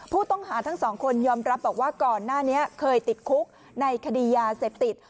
ผู้ต้องหาทั้งสองคนยอมรับบอกว่าก่อนหน้านี้เคยติดคุกในคดียาเสพติด